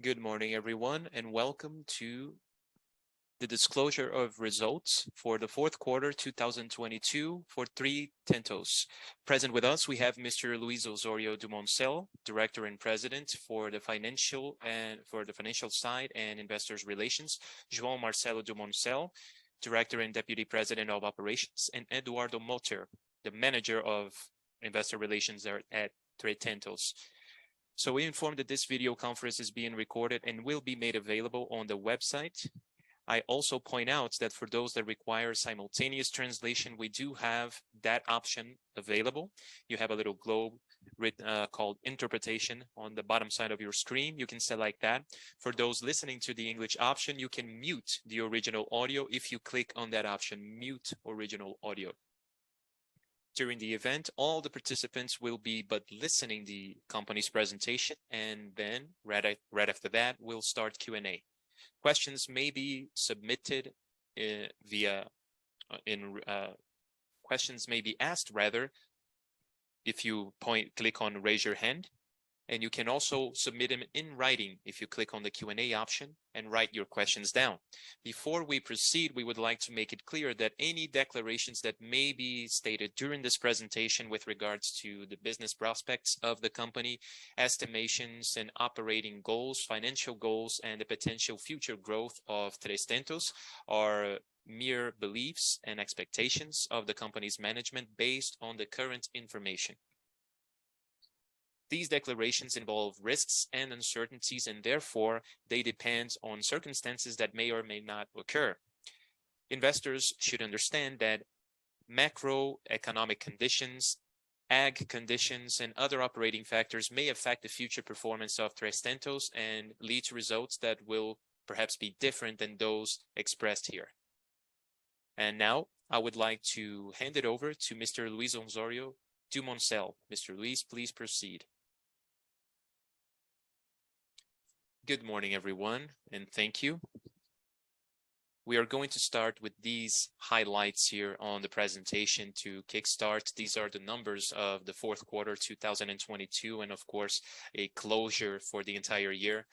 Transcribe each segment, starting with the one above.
Good morning, everyone, and welcome to the disclosure of results for the 4th quarter 2022 for Três Tentos. Present with us, we have Mr. Luiz Osório Dumoncel, Director and President for the financial side and investor relations. João Marcelo Dumoncel, Director and Deputy President of Operations. Eduardo Motta, the Manager of Investor Relations there at Três Tentos. We inform that this video conference is being recorded and will be made available on the website. I also point out that for those that require simultaneous translation, we do have that option available. You have a little globe read, called Interpretation on the bottom side of your screen. You can select that. For those listening to the English option, you can mute the original audio if you click on that option, Mute Original Audio. During the event, all the participants will be but listening the company's presentation and then right after that, we'll start Q&A. Questions may be asked, rather, if you click on Raise Your Hand, and you can also submit them in writing if you click on the Q&A option and write your questions down. Before we proceed, we would like to make it clear that any declarations that may be stated during this presentation with regards to the business prospects of the company, estimations and operating goals, financial goals, and the potential future growth of Três Tentos are mere beliefs and expectations of the company's management based on the current information. These declarations involve risks and uncertainties, and therefore, they depend on circumstances that may or may not occur. Investors should understand that macroeconomic conditions, ag conditions, and other operating factors may affect the future performance of Três Tentos and lead to results that will perhaps be different than those expressed here. Now I would like to hand it over to Mr. Luiz Osório Dumoncel. Mr. Luiz, please proceed. Good morning, everyone, thank you. We are going to start with these highlights here on the presentation to kickstart. These are the numbers of the fourth quarter 2022, and of course, a closure for the entire year.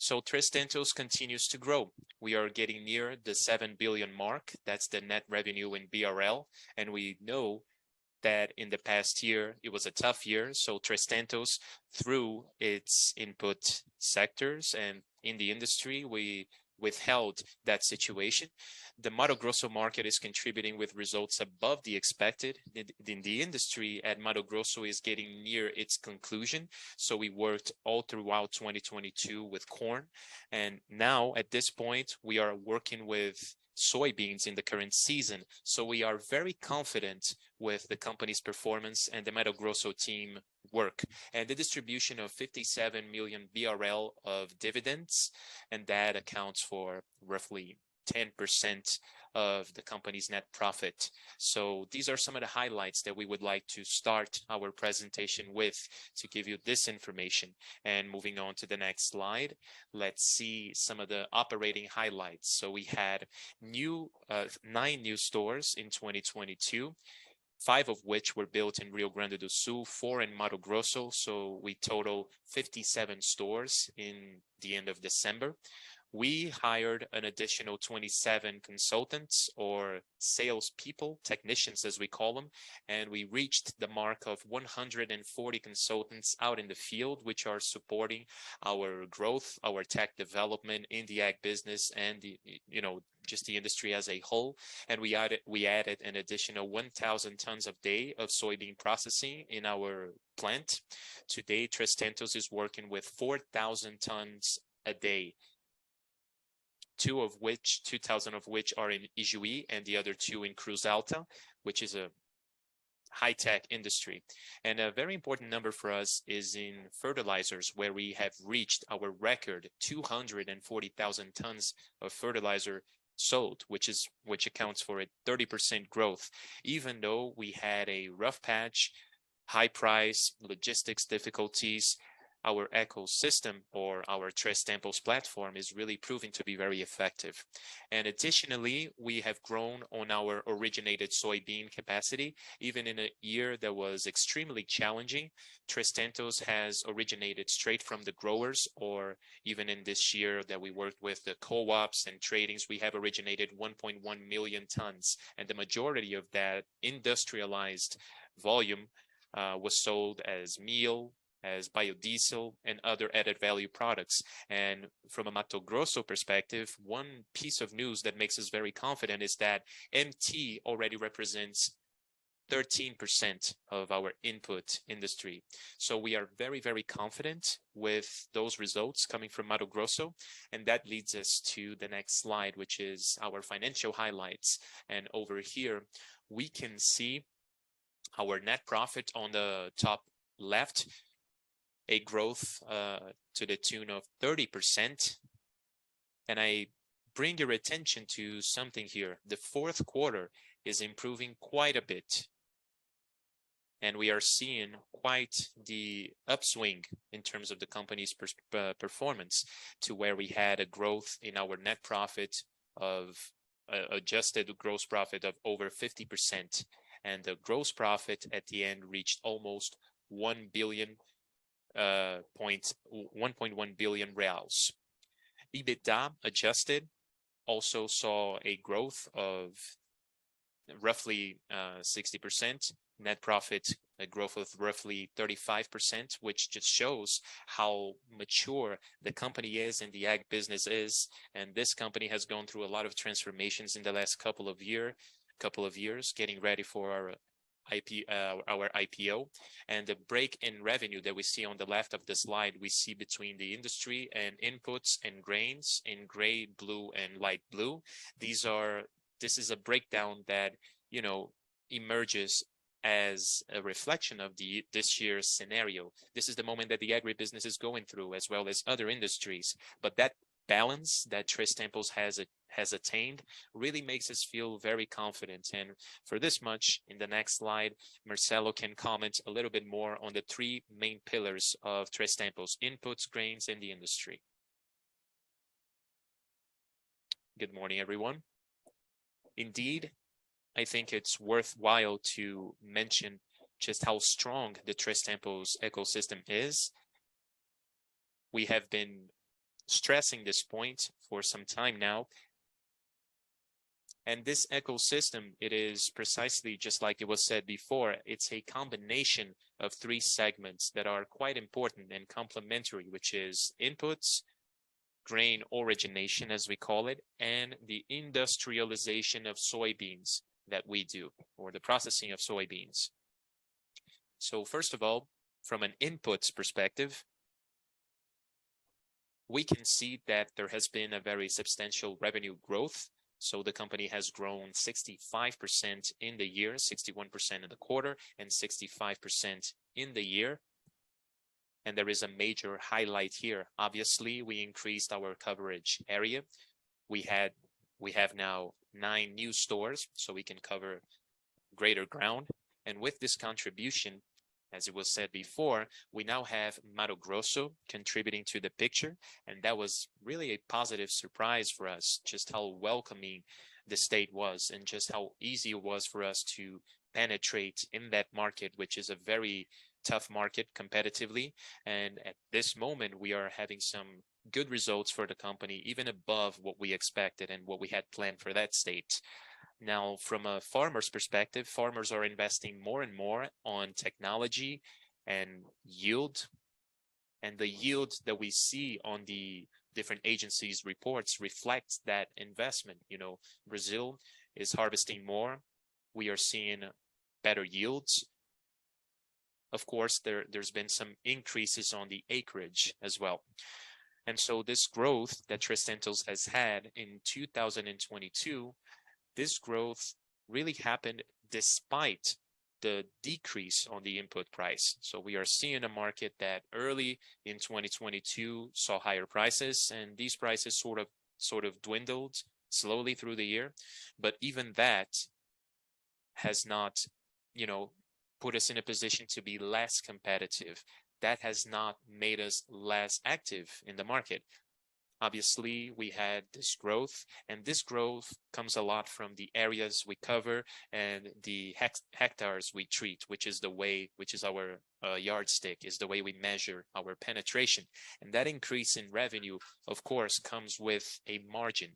Três Tentos continues to grow. We are getting near the 7 billion mark. That's the net revenue in BRL. We know that in the past year, it was a tough year. Três Tentos, through its input sectors and in the industry, we withheld that situation. The Mato Grosso market is contributing with results above the expected in the industry, Mato Grosso is getting near its conclusion. We worked all throughout 2022 with corn. Now at this point, we are working with soybeans in the current season. We are very confident with the company's performance and the Mato Grosso team work. The distribution of 57 million BRL of dividends, that accounts for roughly 10% of the company's net profit. These are some of the highlights that we would like to start our presentation with to give you this information. Moving on to the next slide, let's see some of the operating highlights. We had 9 new stores in 2022, 5 of which were built in Rio Grande do Sul, 4 in Mato Grosso. We total 57 stores in the end of December. We hired an additional 27 consultants or salespeople, technicians, as we call them, and we reached the mark of 140 consultants out in the field, which are supporting our growth, our tech development in the ag business and the, you know, just the industry as a whole. We added an additional 1,000 tons of day of soybean processing in our plant. Today, Três Tentos is working with 4,000 tons a day, 2,000 of which are in Ijuí and the other two in Cruz Alta, which is a high-tech industry. A very important number for us is in fertilizers, where we have reached our record 240,000 tons of fertilizer sold, which accounts for a 30% growth. Even though we had a rough patch, high price, logistics difficulties, our ecosystem or our Três Tentos platform is really proving to be very effective. Additionally, we have grown on our originated soybean capacity. Even in a year that was extremely challenging, Três Tentos has originated straight from the growers or even in this year that we worked with the co-ops and tradings, we have originated 1.1 million tons. The majority of that industrialized volume was sold as meal, as biodiesel, and other added value products. From a Mato Grosso perspective, one piece of news that makes us very confident is that MT already represents 13% of our input industry. We are very, very confident with those results coming from Mato Grosso. That leads us to the next slide, which is our financial highlights. Over here, we can see our net profit on the top left, a growth to the tune of 30%. I bring your attention to something here. The fourth quarter is improving quite a bit, and we are seeing quite the upswing in terms of the company's performance to where we had a growth in our Adjusted gross profit of over 50% and the gross profit at the end reached almost BRL 1.1 billion. EBITDA adjusted also saw a growth of roughly 60%. Net profit, a growth of roughly 35%, which just shows how mature the company is and the ag business is. This company has gone through a lot of transformations in the last couple of years, getting ready for our IPO. The break in revenue that we see on the left of the slide, we see between the industry and inputs and grains in gray, blue and light blue. This is a breakdown that, you know, emerges as a reflection of this year's scenario. This is the moment that the agribusiness is going through as well as other industries. That balance that Três Tentos has attained really makes us feel very confident. For this much, in the next slide, Marcelo can comment a little bit more on the three main pillars of Três Tentos: inputs, grains, and the industry. Good morning, everyone. Indeed, I think it's worthwhile to mention just how strong the Três Tentos ecosystem is. We have been stressing this point for some time now, and this ecosystem, it is precisely just like it was said before, it's a combination of three segments that are quite important and complementary, which is inputs, grain origination, as we call it, and the industrialization of soybeans that we do, or the processing of soybeans. First of all, from an inputs perspective, we can see that there has been a very substantial revenue growth. The company has grown 65% in the year, 61% in the quarter and 65% in the year. There is a major highlight here. Obviously, we increased our coverage area. We have now 9 new stores, so we can cover greater ground. With this contribution, as it was said before, we now have Mato Grosso contributing to the picture. That was really a positive surprise for us, just how welcoming the state was and just how easy it was for us to penetrate in that market, which is a very tough market competitively. At this moment, we are having some good results for the company, even above what we expected and what we had planned for that state. Now, from a farmer's perspective, farmers are investing more and more on technology and yield. The yield that we see on the different agencies' reports reflects that investment. You know, Brazil is harvesting more. We are seeing better yields. Of course, there's been some increases on the acreage as well. This growth that Três Tentos has had in 2022, this growth really happened despite the decrease on the input price. We are seeing a market that early in 2022 saw higher prices, and these prices sort of dwindled slowly through the year. Even that has not, you know, put us in a position to be less competitive. That has not made us less active in the market. Obviously, we had this growth, and this growth comes a lot from the areas we cover and the hectares we treat, which is our yardstick. It's the way we measure our penetration. That increase in revenue, of course, comes with a margin.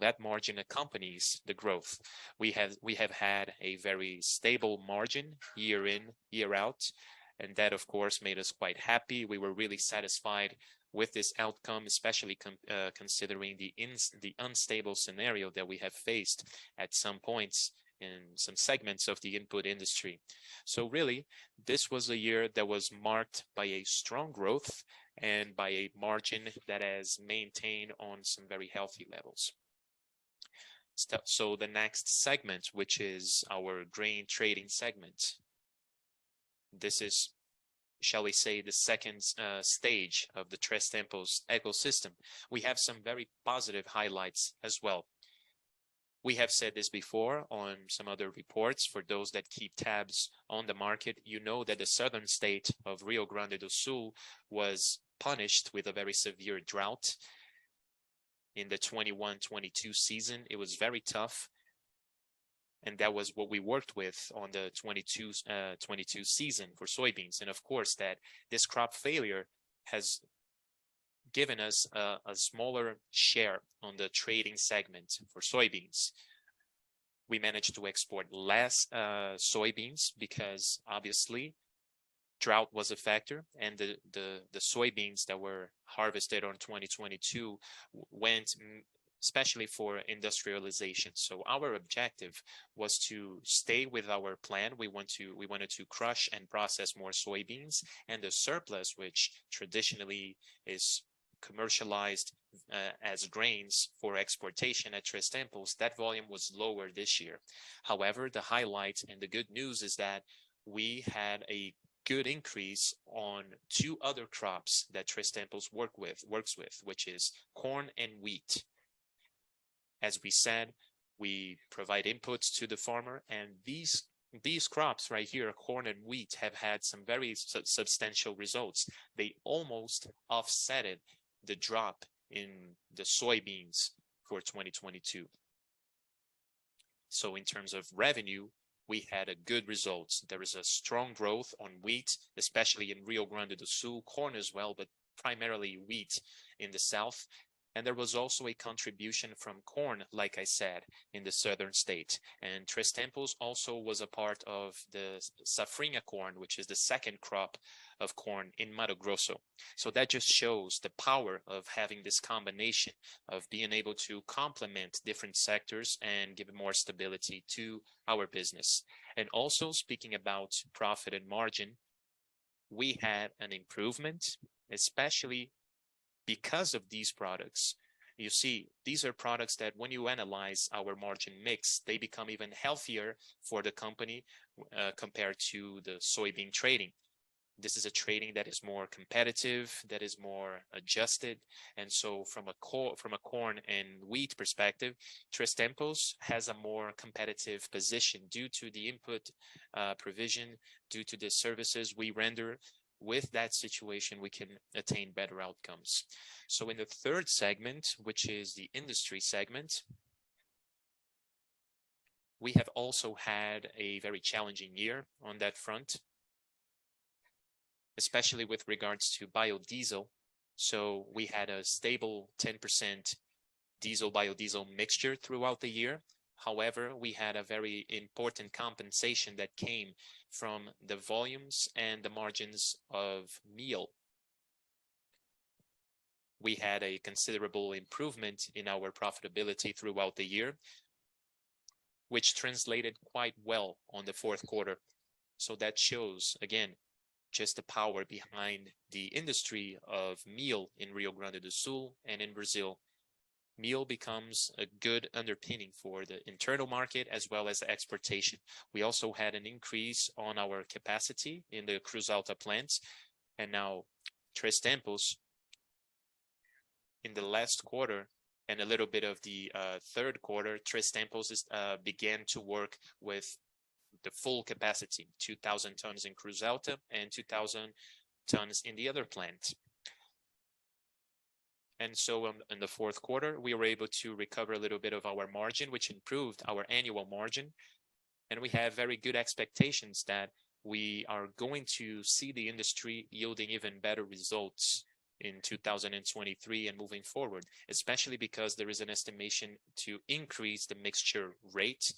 That margin accompanies the growth. We have had a very stable margin year in, year out, and that, of course, made us quite happy. We were really satisfied with this outcome, especially considering the unstable scenario that we have faced at some points in some segments of the input industry. Really, this was a year that was marked by a strong growth and by a margin that has maintained on some very healthy levels. The next segment, which is our grain trading segment, this is, shall we say, the second stage of the Três Tentos ecosystem. We have some very positive highlights as well. We have said this before on some other reports. For those that keep tabs on the market, you know that the southern state of Rio Grande do Sul was punished with a very severe drought in the 2021, 2022 season. It was very tough, and that was what we worked with on the 2022 season for soybeans. That this crop failure has given us a smaller share on the trading segment for soybeans. We managed to export less soybeans because obviously drought was a factor and the soybeans that were harvested on 2022 went especially for industrialization. Our objective was to stay with our plan. We wanted to crush and process more soybeans. The surplus, which traditionally is commercialized as grains for exportation at Três Tentos, that volume was lower this year. However, the highlight and the good news is that we had a good increase on two other crops that Três Tentos works with, which is corn and wheat. As we said, we provide inputs to the farmer and these crops right here, corn and wheat, have had some very substantial results. They almost offset the drop in the soybeans for 2022. In terms of revenue, we had good results. There is a strong growth on wheat, especially in Rio Grande do Sul, corn as well, but primarily wheat in the south. There was also a contribution from corn, like I said, in the southern state. Três Tentos also was a part of the safrinha corn, which is the second crop of corn in Mato Grosso. That just shows the power of having this combination of being able to complement different sectors and give more stability to our business. Also speaking about profit and margin, we had an improvement, especially because of these products. You see, these are products that when you analyze our margin mix, they become even healthier for the company compared to the soybean trading. This is a trading that is more competitive, that is more adjusted. From a corn and wheat perspective, Três Tentos has a more competitive position due to the input provision, due to the services we render. With that situation, we can attain better outcomes. In the third segment, which is the industry segment, we have also had a very challenging year on that front, especially with regards to biodiesel. We had a stable 10% diesel biodiesel mixture throughout the year. However, we had a very important compensation that came from the volumes and the margins of meal. We had a considerable improvement in our profitability throughout the year, which translated quite well on the fourth quarter. That shows again, just the power behind the industry of meal in Rio Grande do Sul and in Brazil. Meal becomes a good underpinning for the internal market as well as the exportation. We also had an increase on our capacity in the Cruz Alta plants. Now Três Tentos, in the last quarter and a little bit of the third quarter, Três Tentos is began to work with the full capacity, 2,000 tons in Cruz Alta and 2,000 tons in the other plant. In the fourth quarter, we were able to recover a little bit of our margin, which improved our annual margin. We have very good expectations that we are going to see the industry yielding even better results in 2023 and moving forward, especially because there is an estimation to increase the mixture rate.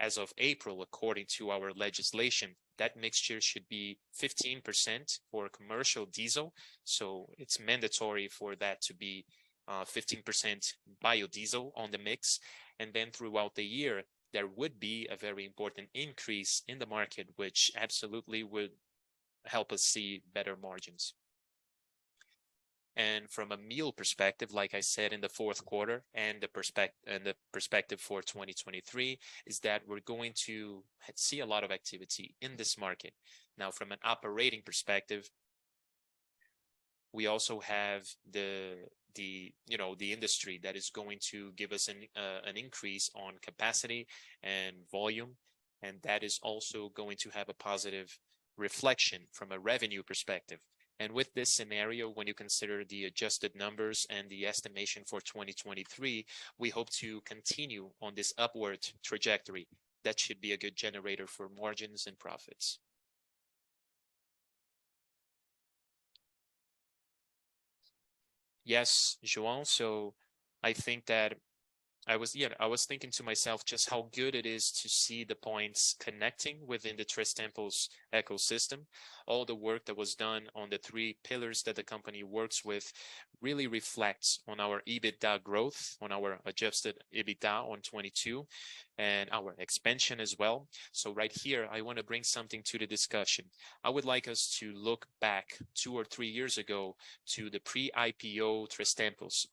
As of April, according to our legislation, that mixture should be 15% for commercial diesel. It's mandatory for that to be 15% biodiesel on the mix. Throughout the year, there would be a very important increase in the market, which absolutely would help us see better margins. From a meal perspective, like I said, in the fourth quarter, and the perspective for 2023, is that we're going to see a lot of activity in this market. From an operating perspective, we also have the, you know, the industry that is going to give us an increase on capacity and volume, and that is also going to have a positive reflection from a revenue perspective. With this scenario, when you consider the adjusted numbers and the estimation for 2023, we hope to continue on this upward trajectory. That should be a good generator for margins and profits. Yes, João. I think that I was, yeah, I was thinking to myself just how good it is to see the points connecting within the Três Tentos ecosystem. All the work that was done on the three pillars that the company works with really reflects on our EBITDA growth, on our adjusted EBITDA on 22, and our expansion as well. Right here, I wanna bring something to the discussion. I would like us to look back 2 or 3 years ago to the pre-IPO Três Tentos.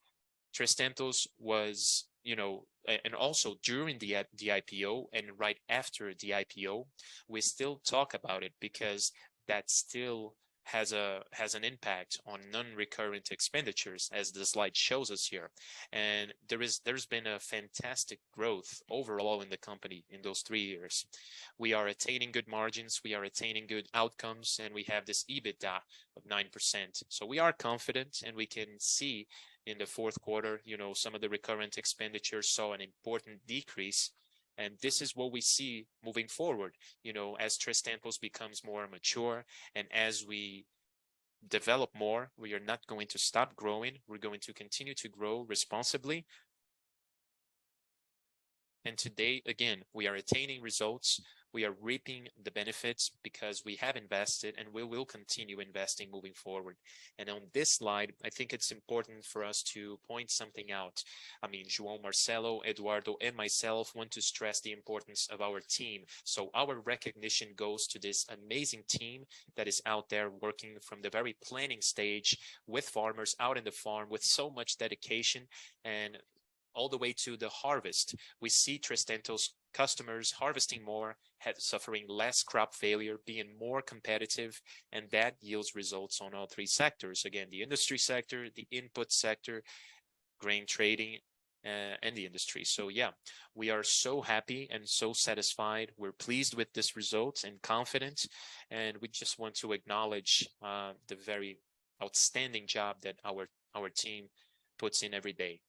Três Tentos was, you know, and also during the IPO and right after the IPO, we still talk about it because that still has an impact on non-recurrent expenditures, as the slide shows us here. There's been a fantastic growth overall in the company in those 3 years. We are attaining good margins, we are attaining good outcomes, and we have this EBITDA of 9%. We are confident, and we can see in the 4th quarter, you know, some of the recurrent expenditures saw an important decrease, and this is what we see moving forward. You know, as Três Tentos becomes more mature and as we develop more, we are not going to stop growing. We're going to continue to grow responsibly. Today, again, we are attaining results. We are reaping the benefits because we have invested, and we will continue investing moving forward. On this slide, I think it's important for us to point something out. I mean, João Marcelo, Eduardo, and myself want to stress the importance of our team. Our recognition goes to this amazing team that is out there working from the very planning stage with farmers out in the farm with so much dedication and all the way to the harvest. We see Três Tentos' customers harvesting more, suffering less crop failure, being more competitive, and that yields results on all three sectors. Again, the industry sector, the input sector, grain trading, and the industry. Yeah, we are so happy and so satisfied. We're pleased with this result and confident, and we just want to acknowledge the very outstanding job that our team puts in every day.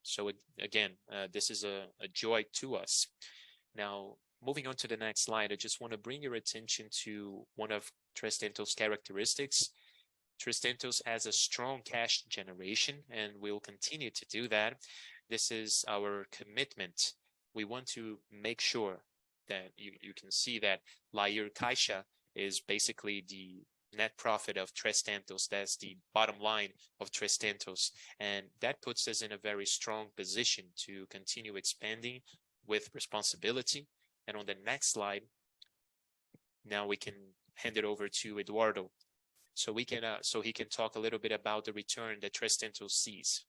Again, this is a joy to us. Moving on to the next slide, I just wanna bring your attention to one of Três Tentos characteristics. Três Tentos has a strong cash generation, and we will continue to do that. This is our commitment. We want to make sure that you can see that is basically the net profit of Três Tentos. That's the bottom line of Três Tentos. That puts us in a very strong position to continue expanding with responsibility. On the next slide. Now we can hand it over to Eduardo so we can so he can talk a little bit about the return that Três Tentos sees.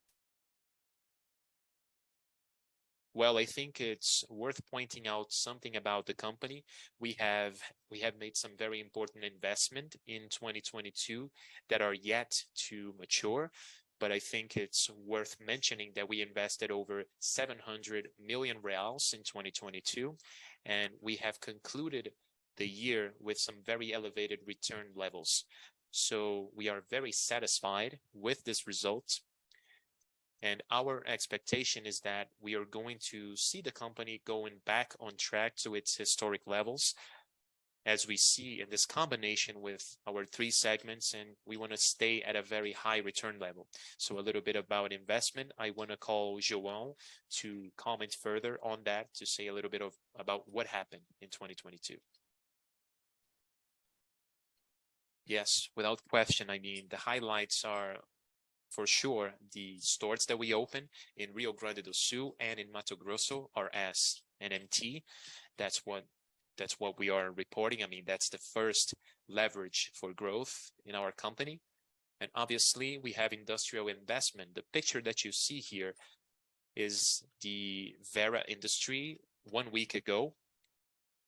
Well, I think it's worth pointing out something about the company. We have made some very important investment in 2022 that are yet to mature. I think it's worth mentioning that we invested over 700 million reais in 2022. We have concluded the year with some very elevated return levels. We are very satisfied with this result, and our expectation is that we are going to see the company going back on track to its historic levels. As we see in this combination with our three segments, and we want to stay at a very high return level. A little bit about investment. I want to call João to comment further on that, to say a little about what happened in 2022. Yes, without question. I mean, the highlights are for sure the stores that we opened in Rio Grande do Sul and in Mato Grosso are as MT. That's what we are reporting. I mean, that's the first leverage for growth in our company. Obviously we have industrial investment. The picture that you see here is the Vera industry one week ago,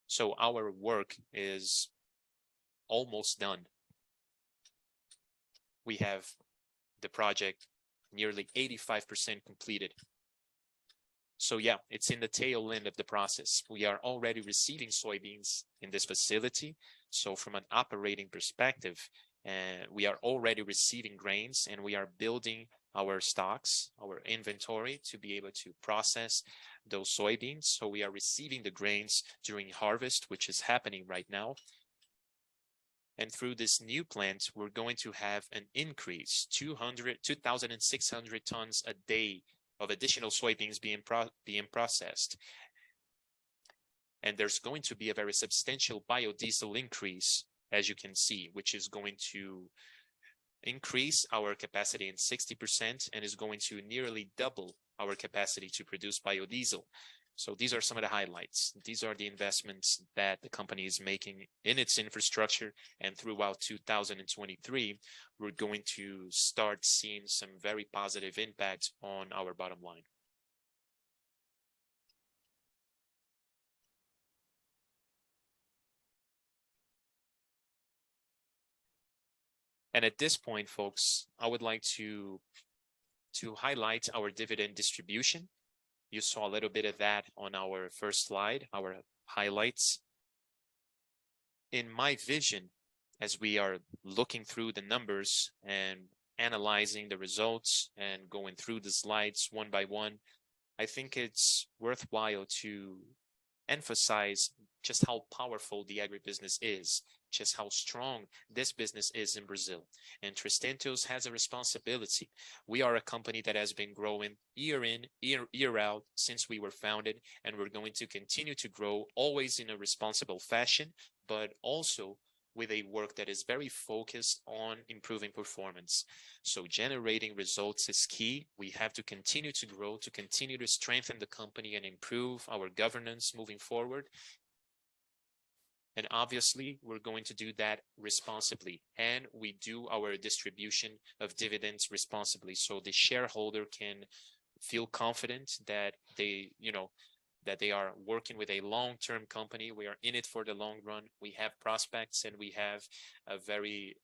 so our work is almost done. We have the project nearly 85% completed. Yeah, it's in the tail end of the process. We are already receiving soybeans in this facility. From an operating perspective, we are already receiving grains, and we are building our stocks, our inventory to be able to process those soybeans. We are receiving the grains during harvest, which is happening right now. Through this new plant, we're going to have an increase, 2,600 tons a day of additional soybeans being processed. There's going to be a very substantial biodiesel increase, as you can see, which is going to increase our capacity in 60% and is going to nearly double our capacity to produce biodiesel. These are some of the highlights. These are the investments that the company is making in its infrastructure. Throughout 2023, we're going to start seeing some very positive impacts on our bottom line. At this point, folks, I would like to highlight our dividend distribution. You saw a little bit of that on our first slide, our highlights. In my vision, as we are looking through the numbers and analyzing the results and going through the slides one by one, I think it's worthwhile to emphasize just how powerful the agribusiness is, just how strong this business is in Brazil. Três Tentos has a responsibility. We are a company that has been growing year in, year out since we were founded, and we're going to continue to grow, always in a responsible fashion, but also with a work that is very focused on improving performance. Generating results is key. We have to continue to grow, to continue to strengthen the company and improve our governance moving forward. Obviously, we're going to do that responsibly, and we do our distribution of dividends responsibly so the shareholder can feel confident that they, you know, that they are working with a long-term company. We are in it for the long run. We have prospects, and we have a very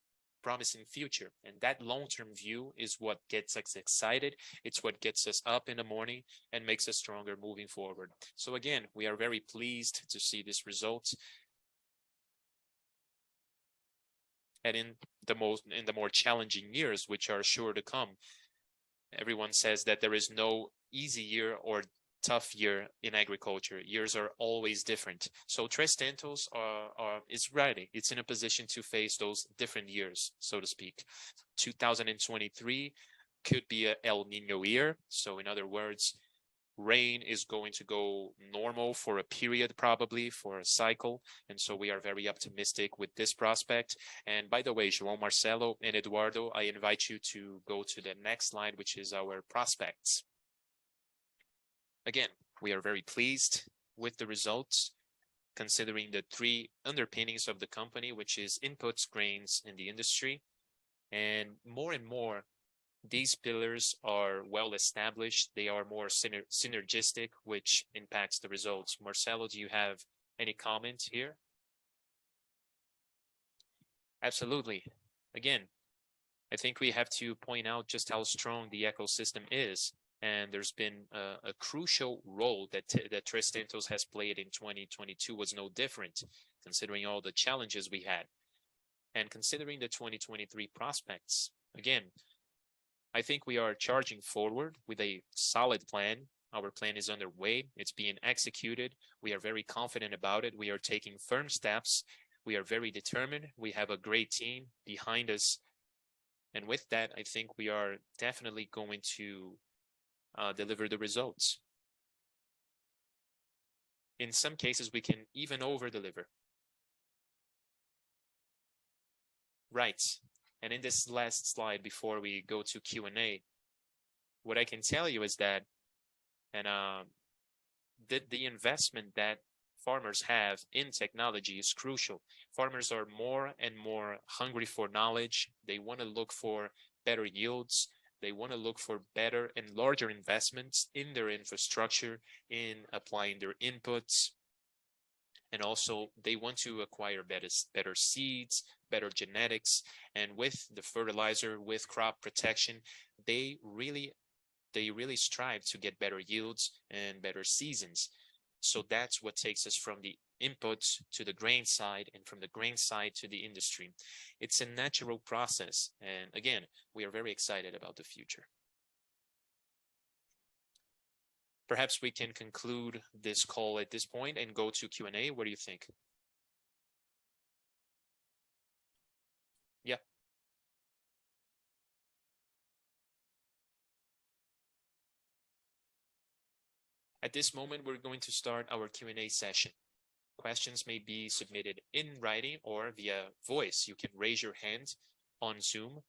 promising future. That long-term view is what gets us excited. It's what gets us up in the morning and makes us stronger moving forward. Again, we are very pleased to see these results. In the more challenging years, which are sure to come, everyone says that there is no easy year or tough year in agriculture. Years are always different. Três Tentos is ready. It's in a position to face those different years, so to speak. 2023 could be a El Niño year. In other words, rain is going to go normal for a period, probably for a cycle. We are very optimistic with this prospect. By the way, João, Marcelo, and Eduardo, I invite you to go to the next slide, which is our prospects. Again, we are very pleased with the results considering the three underpinnings of the company, which is inputs, grains, and the industry. More and more, these pillars are well established. They are more synergistic, which impacts the results. Marcelo, do you have any comments here? Absolutely. Again, I think we have to point out just how strong the ecosystem is. There's been a crucial role that Três Tentos has played in 2022 was no different considering all the challenges we had. Considering the 2023 prospects, again, I think we are charging forward with a solid plan. Our plan is underway. It's being executed. We are very confident about it. We are taking firm steps. We are very determined. We have a great team behind us. With that, I think we are definitely going to deliver the results. In some cases, we can even over-deliver. Right. In this last slide before we go to Q&A, what I can tell you is that. The investment that farmers have in technology is crucial. Farmers are more and more hungry for knowledge. They wanna look for better yields. They wanna look for better and larger investments in their infrastructure, in applying their inputs. Also they want to acquire better seeds, better genetics. With the fertilizer, with crop protection, they really strive to get better yields and better seasons. That's what takes us from the inputs to the grain side and from the grain side to the industry. It's a natural process. Again, we are very excited about the future. Perhaps we can conclude this call at this point and go to Q&A. What do you think? Yeah. At this moment, we're going to start our Q&A session. Questions may be submitted in writing or via voice. You can raise your hand on Zoom.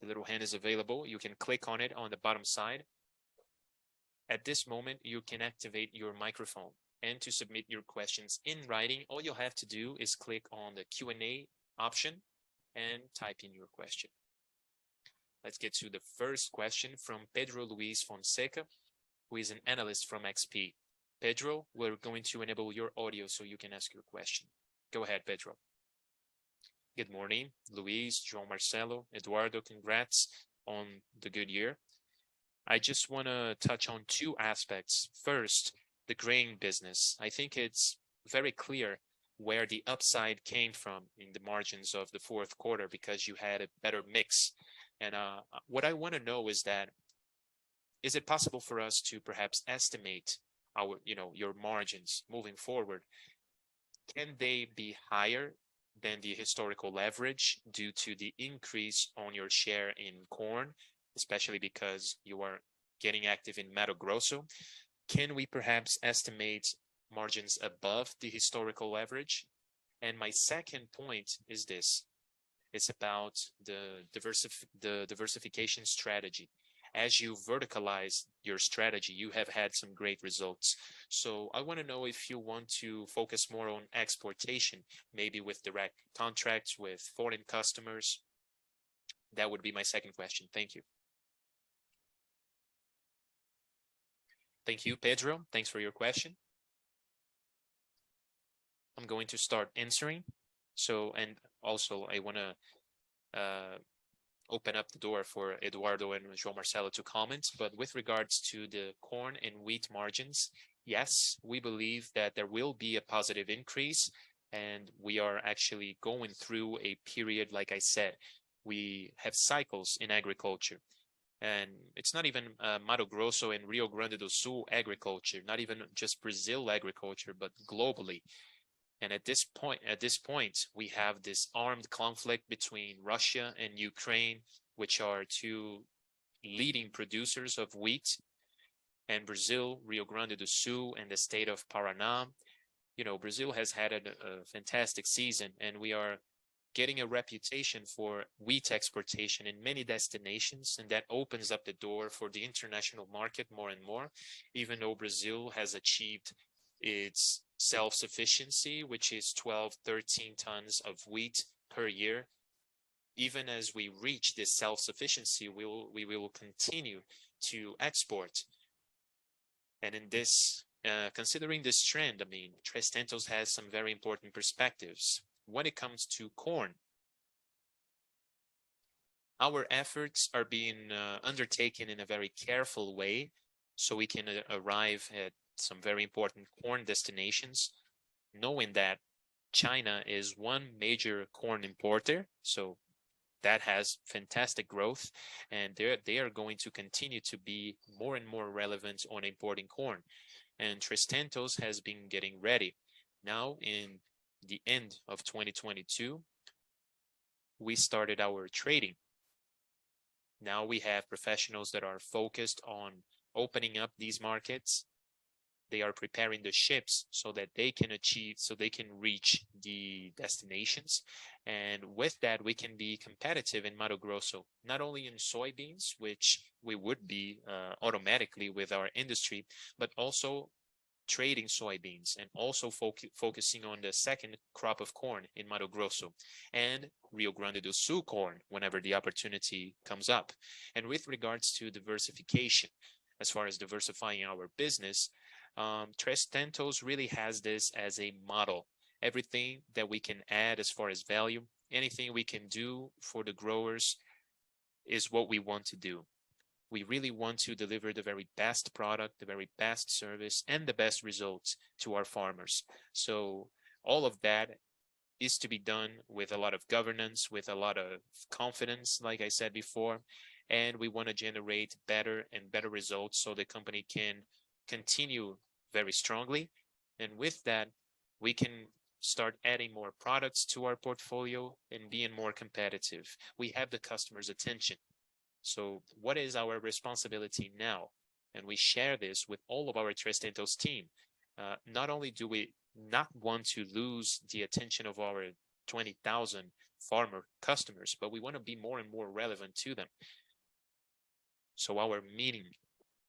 The little hand is available. You can click on it on the bottom side. At this moment, you can activate your microphone. To submit your questions in writing, all you'll have to do is click on the Q&A option and type in your question. Let's get to the first question from Pedro Luiz Fonseca, who is an analyst from XP. Pedro, we're going to enable your audio so you can ask your question. Go ahead, Pedro. Good morning, Luiz, João Marcelo, Eduardo. Congrats on the good year. I just wanna touch on two aspects. First, the grain business. I think it's very clear where the upside came from in the margins of the fourth quarter because you had a better mix. What I wanna know is that, is it possible for us to perhaps estimate our, you know, your margins moving forward? Can they be higher than the historical leverage due to the increase on your share in corn, especially because you are getting active in Mato Grosso? Can we perhaps estimate margins above the historical leverage? My second point is this. It's about the diversification strategy. As you verticalize your strategy, you have had some great results. I wanna know if you want to focus more on exportation, maybe with direct contracts with foreign customers. That would be my second question. Thank you. Thank you, Pedro. Thanks for your question. I'm going to start answering. Also I wanna open up the door for Eduardo and João Marcelo to comment. With regards to the corn and wheat margins, yes, we believe that there will be a positive increase, and we are actually going through a period, like I said, we have cycles in agriculture. It's not even Mato Grosso and Rio Grande do Sul agriculture, not even just Brazil agriculture, but globally. At this point, we have this armed conflict between Russia and Ukraine, which are two leading producers of wheat. Brazil, Rio Grande do Sul, and the state of Paraná, you know, Brazil has had a fantastic season, and we are getting a reputation for wheat exportation in many destinations, and that opens up the door for the international market more and more. Even though Brazil has achieved its self-sufficiency, which is 12, 13 tons of wheat per year, even as we reach this self-sufficiency, we will continue to export. In this, considering this trend, I mean, Três Tentos has some very important perspectives. When it comes to corn, our efforts are being undertaken in a very careful way, so we can arrive at some very important corn destinations, knowing that China is one major corn importer. That has fantastic growth, and they are going to continue to be more and more relevant on importing corn. Três Tentos has been getting ready. Now, in the end of 2022, we started our trading. Now we have professionals that are focused on opening up these markets. They are preparing the ships so that they can reach the destinations. With that, we can be competitive in Mato Grosso, not only in soybeans, which we would be automatically with our industry, but also trading soybeans and also focusing on the second crop of corn in Mato Grosso and Rio Grande do Sul corn whenever the opportunity comes up. With regards to diversification, as far as diversifying our business, Três Tentos really has this as a model. Everything that we can add as far as value, anything we can do for the growers is what we want to do. We really want to deliver the very best product, the very best service, and the best results to our farmers. All of that is to be done with a lot of governance, with a lot of confidence, like I said before, and we wanna generate better and better results so the company can continue very strongly. With that, we can start adding more products to our portfolio and being more competitive. We have the customer's attention. What is our responsibility now? We share this with all of our Três Tentos team. Not only do we not want to lose the attention of our 20,000 farmer customers, but we wanna be more and more relevant to them. Our meaning,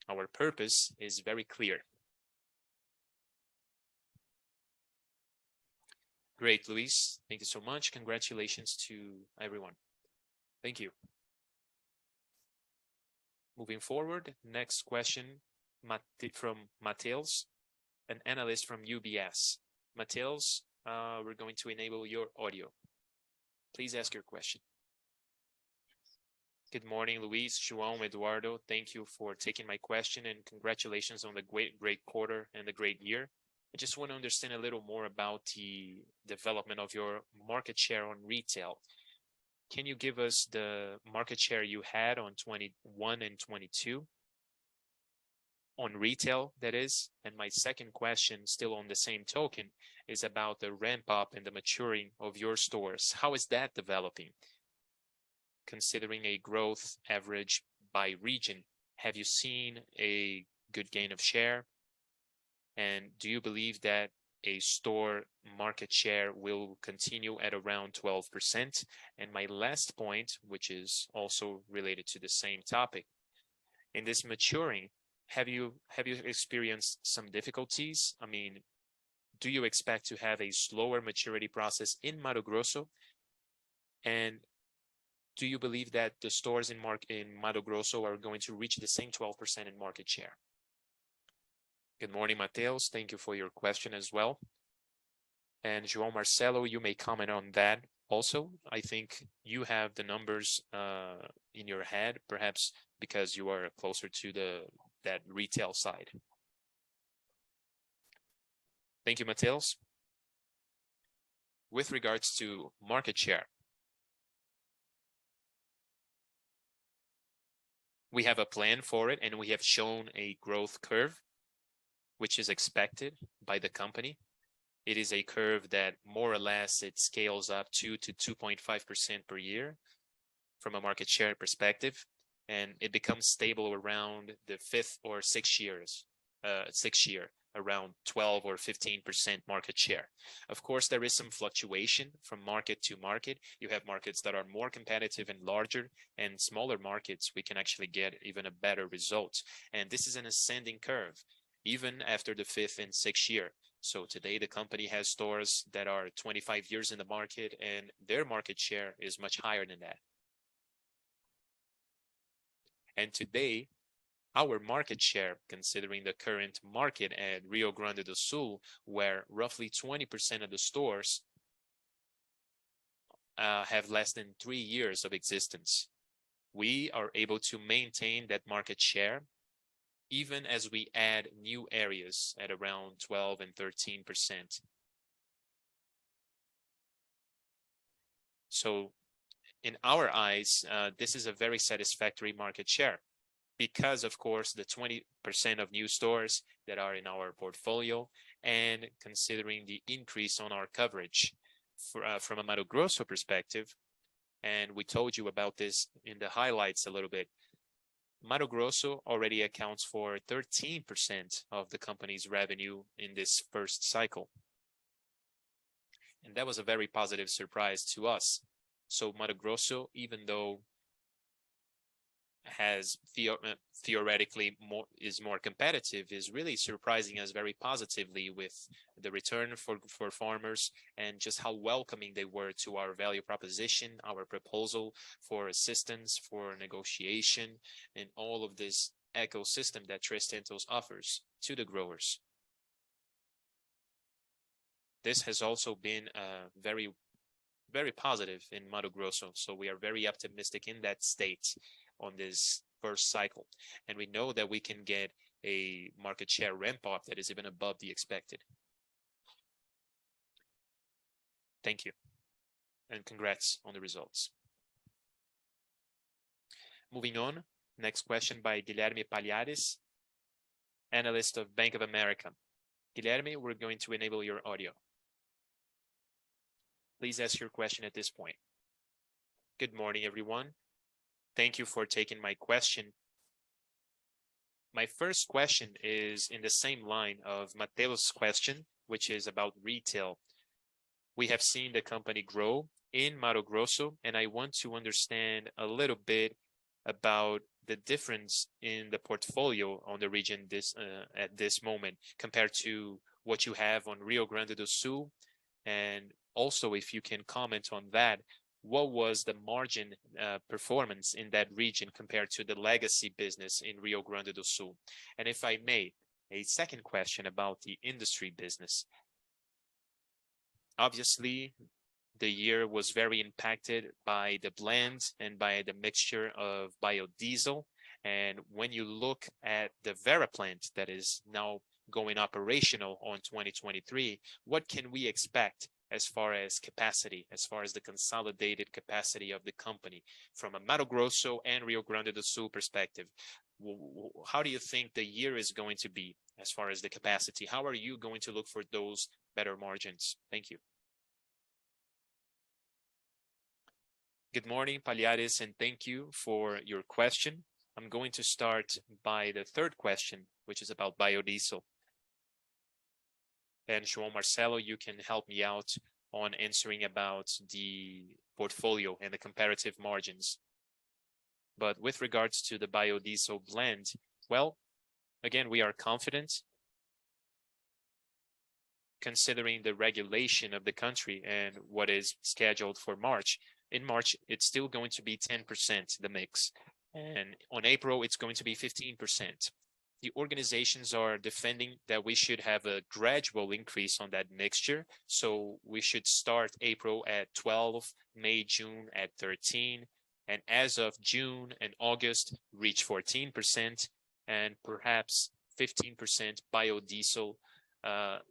our purpose is very clear. Great, Luiz. Thank you so much. Congratulations to everyone. Thank you. Moving forward, next question from Mateus, an analyst from UBS. Mateus, we're going to enable your audio. Please ask your question. Good morning, Luiz, João, Eduardo. Thank you for taking my question. Congratulations on the great quarter and the great year. I just want to understand a little more about the development of your market share on retail. Can you give us the market share you had on 21 and 22 on retail, that is? My second question, still on the same token, is about the ramp-up and the maturing of your stores. How is that developing considering a growth average by region? Have you seen a good gain of share? Do you believe that a store market share will continue at around 12%? My last point, which is also related to the same topic. In this maturing, have you experienced some difficulties? I mean, do you expect to have a slower maturity process in Mato Grosso? Do you believe that the stores in Mato Grosso are going to reach the same 12% in market share? Good morning, Mateus. Thank you for your question as well. João Marcelo, you may comment on that also. I think you have the numbers in your head, perhaps because you are closer to that retail side. Thank you, Mateus. With regards to market share, we have a plan for it, and we have shown a growth curve which is expected by the company. It is a curve that more or less it scales up 2%-2.5% per year from a market share perspective. It becomes stable around the fifth or 6 years, 6th year, around 12% or 15% market share. Of course, there is some fluctuation from market to market. You have markets that are more competitive and larger. In smaller markets, we can actually get even a better result. This is an ascending curve even after the fifth and 6th year. Today the company has stores that are 25 years in the market, and their market share is much higher than that. Today, our market share, considering the current market at Rio Grande do Sul, where roughly 20% of the stores have less than 3 years of existence, we are able to maintain that market share even as we add new areas at around 12% and 13%. In our eyes, this is a very satisfactory market share because of course the 20% of new stores that are in our portfolio and considering the increase on our coverage for from a Mato Grosso perspective, and we told you about this in the highlights a little bit. Mato Grosso already accounts for 13% of the company's revenue in this first cycle. That was a very positive surprise to us. Mato Grosso, even though has theoretically more, is more competitive, is really surprising us very positively with the return for farmers and just how welcoming they were to our value proposition, our proposal for assistance, for negotiation, and all of this ecosystem that Três Tentos offers to the growers. This has also been very positive in Mato Grosso, so we are very optimistic in that state on this first cycle. We know that we can get a market share ramp-up that is even above the expected. Thank you. Congrats on the results. Moving on. Next question by Guilherme Palhares, analyst of Bank of America. Guilherme, we're going to enable your audio. Please ask your question at this point. Good morning, everyone. Thank you for taking my question. My first question is in the same line of Mateus' question, which is about retail. We have seen the company grow in Mato Grosso. I want to understand a little bit about the difference in the portfolio on the region this, at this moment compared to what you have on Rio Grande do Sul. Also, if you can comment on that, what was the margin performance in that region compared to the legacy business in Rio Grande do Sul? If I may, a second question about the industry business. Obviously, the year was very impacted by the blends and by the mixture of biodiesel. When you look at the Vera plant that is now going operational on 2023, what can we expect as far as capacity, as far as the consolidated capacity of the company from a Mato Grosso and Rio Grande do Sul perspective? How do you think the year is going to be as far as the capacity? How are you going to look for those better margins? Thank you. Good morning, Palhares, and thank you for your question. I'm going to start by the third question, which is about biodiesel. João Marcelo, you can help me out on answering about the portfolio and the comparative margins. With regards to the biodiesel blend, well, again, we are confident considering the regulation of the country and what is scheduled for March. In March, it's still going to be 10%, the mix, and on April, it's going to be 15%. The organizations are defending that we should have a gradual increase on that mixture, so we should start April at 12, May, June at 13, and as of June and August, reach 14% and perhaps 15% biodiesel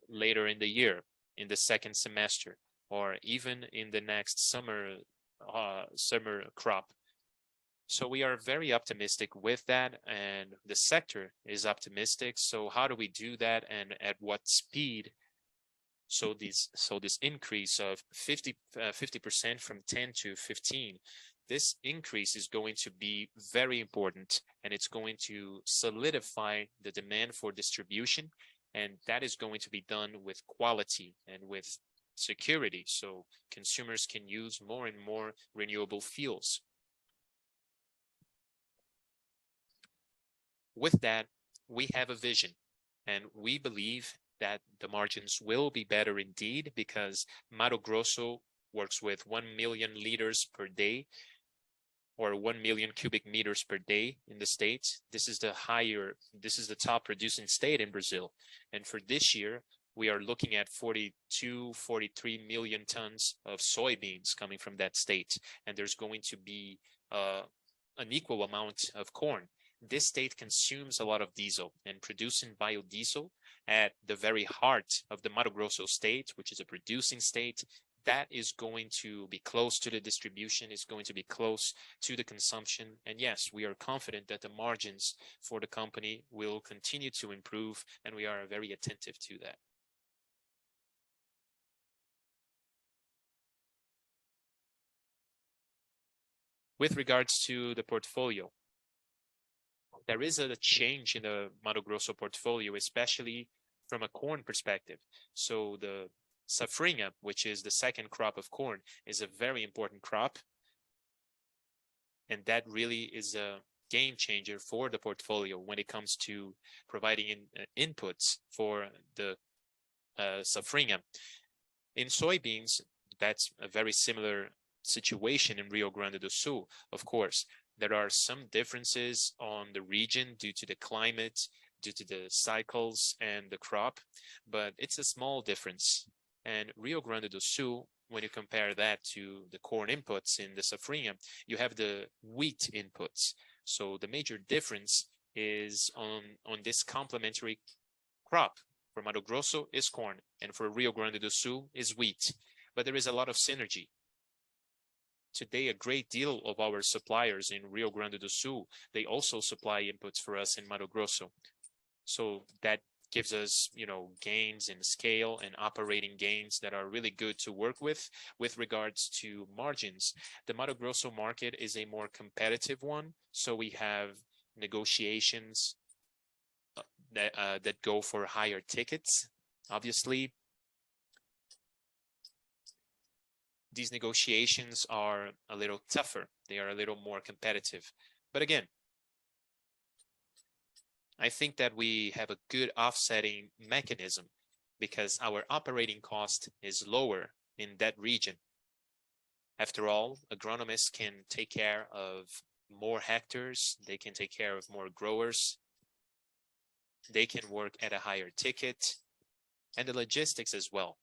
later in the year, in the second semester or even in the next summer crop. We are very optimistic with that and the sector is optimistic. How do we do that and at what speed? This increase of 50% from 10 to 15, this increase is going to be very important and it's going to solidify the demand for distribution and that is going to be done with quality and with security so consumers can use more and more renewable fuels. With that, we have a vision and we believe that the margins will be better indeed because Mato Grosso works with 1 million liters per day or 1 million cubic meters per day in the state. This is the top producing state in Brazil. For this year, we are looking at 42-43 million tons of soybeans coming from that state and there's going to be an equal amount of corn. This state consumes a lot of diesel and producing biodiesel at the very heart of the Mato Grosso state, which is a producing state, that is going to be close to the distribution, is going to be close to the consumption. Yes, we are confident that the margins for the company will continue to improve and we are very attentive to that. With regards to the portfolio, there is a change in the Mato Grosso portfolio especially from a corn perspective. The safrinha, which is the second crop of corn, is a very important crop and that really is a game changer for the portfolio when it comes to providing inputs for the safrinha. In soybeans, that's a very similar situation in Rio Grande do Sul. Of course, there are some differences on the region due to the climate, due to the cycles and the crop, but it's a small difference. Rio Grande do Sul, when you compare that to the corn inputs in the safrinha, you have the wheat inputs. The major difference is on this complementary crop. For Mato Grosso is corn and for Rio Grande do Sul is wheat. There is a lot of synergy. Today, a great deal of our suppliers in Rio Grande do Sul, they also supply inputs for us in Mato Grosso. That gives us, you know, gains in scale and operating gains that are really good to work with with regards to margins. The Mato Grosso market is a more competitive one, so we have negotiations that go for higher tickets. Obviously, these negotiations are a little tougher. They are a little more competitive. Again, I think that we have a good offsetting mechanism because our operating cost is lower in that region. After all, agronomists can take care of more hectares. They can take care of more growers. They can work at a higher ticket and the logistics as well.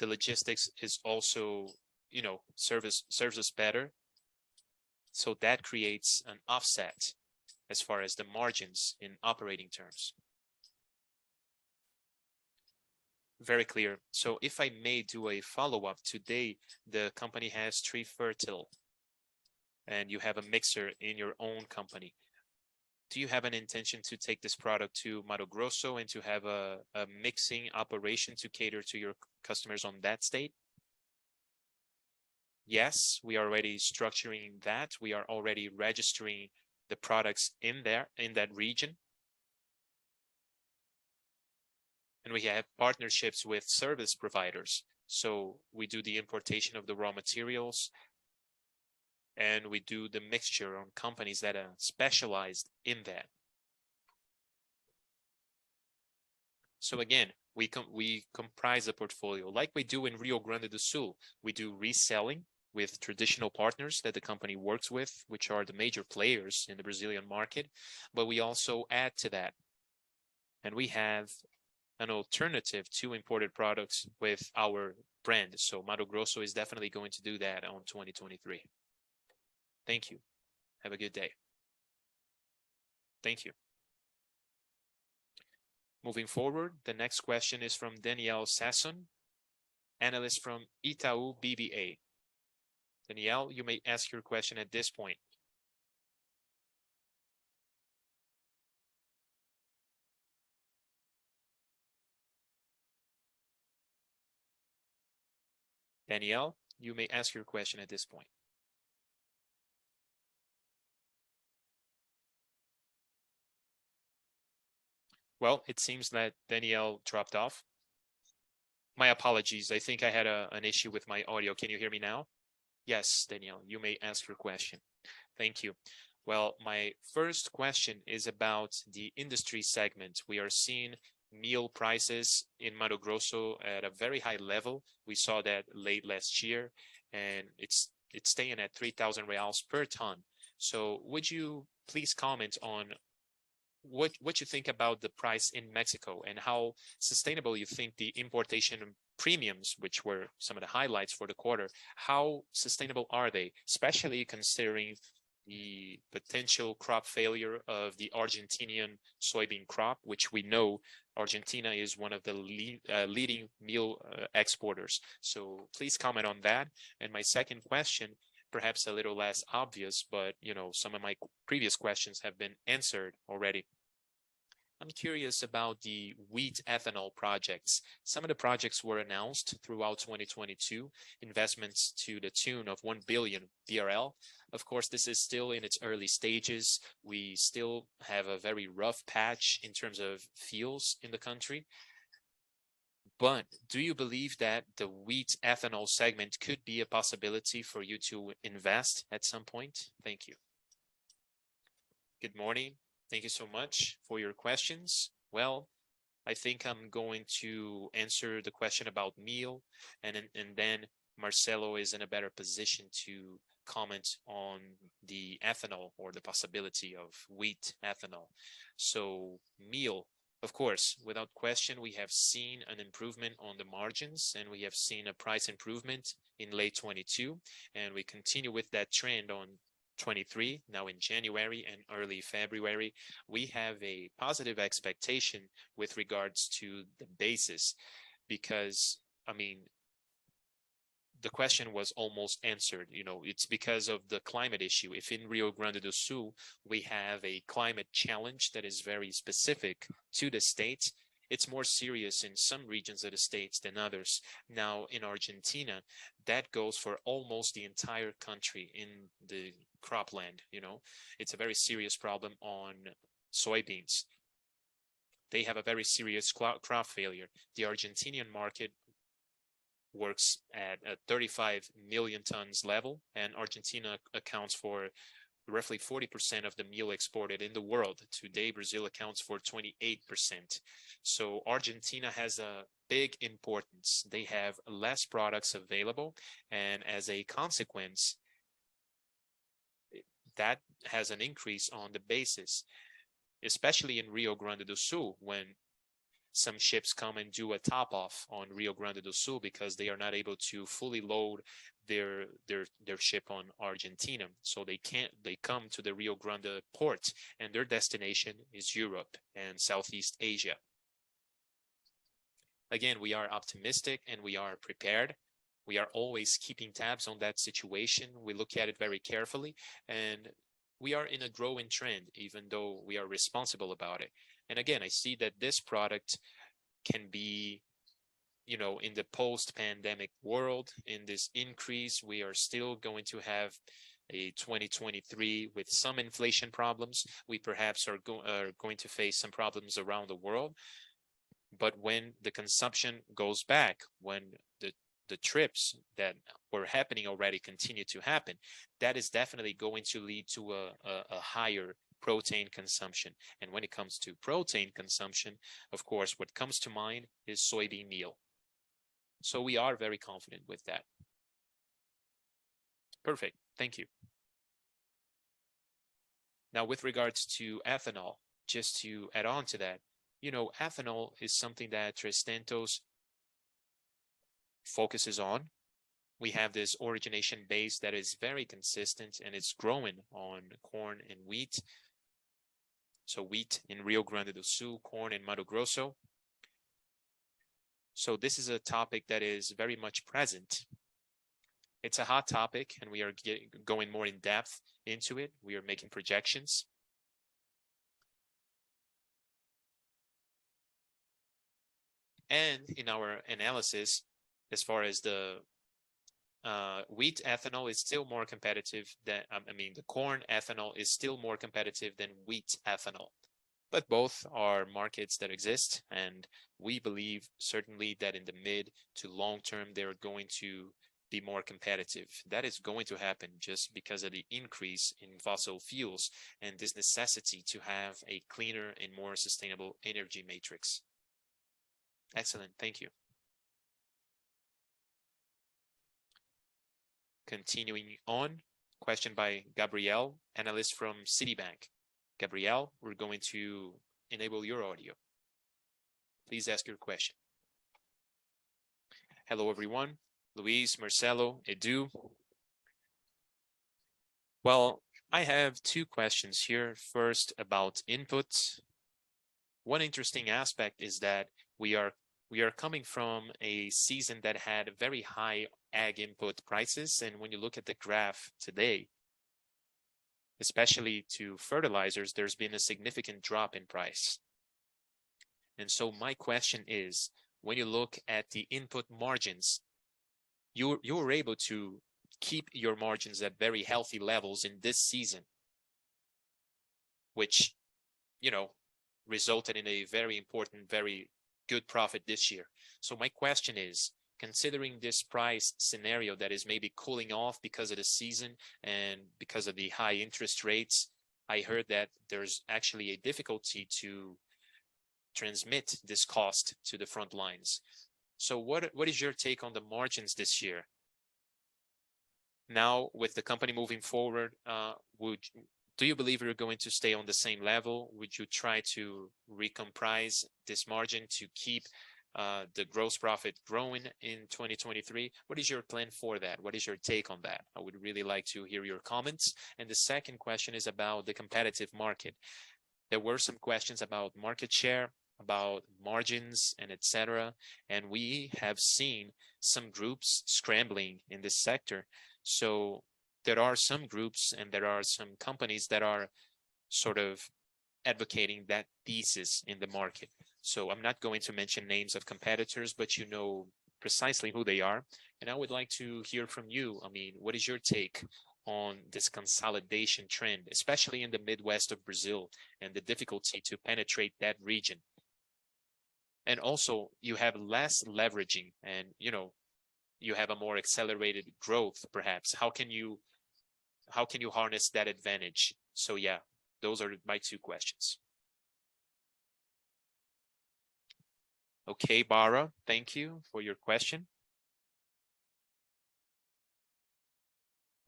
The logistics is also, you know, serves us better. That creates an offset as far as the margins in operating terms. Very clear. If I may do a follow-up. Today, the company has Trifértil, and you have a mixer in your own company. Do you have an intention to take this product to Mato Grosso and to have a mixing operation to cater to your customers on that state? Yes, we are already structuring that. We are already registering the products in there, in that region. We have partnerships with service providers. We do the importation of the raw materials and we do the mixture on companies that are specialized in that. Again, we comprise a portfolio like we do in Rio Grande do Sul. We do reselling with traditional partners that the company works with, which are the major players in the Brazilian market, but we also add to that and we have an alternative to imported products with our brand. Mato Grosso is definitely going to do that on 2023. Thank you. Have a good day. Thank you. Moving forward, the next question is from Daniel Sasson, analyst from Itaú BBA. Daniel, you may ask your question at this point. Daniel, you may ask your question at this point. It seems that Daniel dropped off. My apologies. I think I had an issue with my audio. Can you hear me now? Yes, Daniel, you may ask your question. Thank you. My first question is about the industry segment. We are seeing meal prices in Mato Grosso at a very high level. We saw that late last year, and it's staying at 3,000 reais per ton. Would you please comment on what you think about the price in Mexico and how sustainable you think the importation premiums, which were some of the highlights for the quarter, how sustainable are they? Especially considering the potential crop failure of the Argentinian soybean crop, which we know Argentina is one of the leading meal exporters. Please comment on that. My second question, perhaps a little less obvious, but, you know, some of my previous questions have been answered already. I'm curious about the wheat ethanol projects. Some of the projects were announced throughout 2022, investments to the tune of 1 billion. Of course, this is still in its early stages. We still have a very rough patch in terms of fuels in the country. Do you believe that the wheat ethanol segment could be a possibility for you to invest at some point? Thank you. Good morning. Thank you so much for your questions. I think I'm going to answer the question about meal, and then Marcelo is in a better position to comment on the ethanol or the possibility of wheat ethanol. Meal, of course, without question, we have seen an improvement on the margins, and we have seen a price improvement in late 2022, and we continue with that trend on 2023. Now in January and early February, we have a positive expectation with regards to the basis because, I mean, the question was almost answered. You know, it's because of the climate issue. If in Rio Grande do Sul we have a climate challenge that is very specific to the state, it's more serious in some regions of the state than others. In Argentina, that goes for almost the entire country in the cropland. You know, it's a very serious problem on soybeans. They have a very serious crop failure. The Argentinian market works at a 35 million tons level, Argentina accounts for roughly 40% of the meal exported in the world. Today, Brazil accounts for 28%. Argentina has a big importance. They have less products available. As a consequence, that has an increase on the basis, especially in Rio Grande do Sul, when some ships come and do a top off on Rio Grande do Sul because they are not able to fully load their, their ship on Argentina, so they come to the Rio Grande port, and their destination is Europe and Southeast Asia. Again, we are optimistic, and we are prepared. We are always keeping tabs on that situation. We look at it very carefully, and we are in a growing trend, even though we are responsible about it. Again, I see that this product can be, you know, in the post-pandemic world, in this increase, we are still going to have a 2023 with some inflation problems. We perhaps are going to face some problems around the world. When the consumption goes back, when the trips that were happening already continue to happen, that is definitely going to lead to a higher protein consumption. When it comes to protein consumption, of course, what comes to mind is soybean meal. We are very confident with that. Perfect. Thank you. Now, with regards to ethanol, just to add on to that, you know, ethanol is something that Três Tentos focuses on. We have this origination base that is very consistent, and it's growing on corn and wheat. Wheat in Rio Grande do Sul, corn in Mato Grosso. This is a topic that is very much present. It's a hot topic, and we are going more in depth into it. We are making projections. In our analysis, as far as the wheat ethanol is still more competitive than, I mean, the corn ethanol is still more competitive than wheat ethanol, but both are markets that exist, and we believe certainly that in the mid to long term, they're going to be more competitive. That is going to happen just because of the increase in fossil fuels and this necessity to have a cleaner and more sustainable energy matrix. Excellent. Thank you. Continuing on, question by Gabriel Barra, analyst from Citibank. Gabriel, we're going to enable your audio. Please ask your question. Hello, everyone. Luiz, Marcelo, Edu. Well, I have two questions here. First, about inputs. One interesting aspect is that we are coming from a season that had very high ag input prices, and when you look at the graph today, especially to fertilizers, there's been a significant drop in price. My question is: when you look at the input margins, you're able to keep your margins at very healthy levels in this season, which, you know, resulted in a very important, very good profit this year. My question is: considering this price scenario that is maybe cooling off because of the season and because of the high interest rates, I heard that there's actually a difficulty to transmit this cost to the front lines. What is your take on the margins this year? Now, with the company moving forward, do you believe you're going to stay on the same level? Would you try to recomprise this margin to keep the gross profit growing in 2023? What is your plan for that? What is your take on that? I would really like to hear your comments. The second question is about the competitive market. There were some questions about market share, about margins and et cetera. We have seen some groups scrambling in this sector. There are some groups, and there are some companies that are sort of advocating that thesis in the market. I'm not going to mention names of competitors, but you know precisely who they are. I would like to hear from you. I mean, what is your take on this consolidation trend, especially in the Midwest of Brazil and the difficulty to penetrate that region? Also you have less leveraging and, you know, you have a more accelerated growth, perhaps. How can you harness that advantage? Yeah, those are my two questions. Okay, Barra, thank you for your question.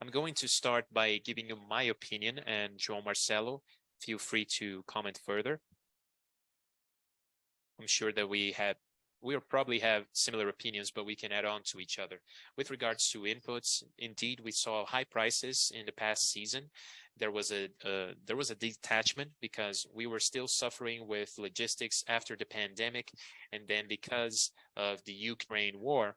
I'm going to start by giving you my opinion and João Marcelo, feel free to comment further. I'm sure that we'll probably have similar opinions, but we can add on to each other. With regards to inputs, indeed, we saw high prices in the past season. There was a detachment because we were still suffering with logistics after the pandemic. Because of the Ukraine war,